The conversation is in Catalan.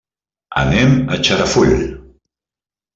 Anem a Xarafull.